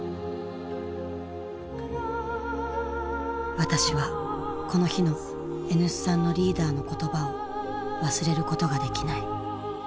私はこの日のＮ産のリーダーの言葉を忘れることができない。